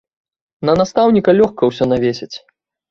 На настаўніка лёгка ўсё навесіць.